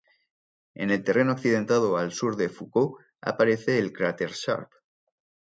En el terreno accidentado al sur de Foucault aparece el cráter Sharp.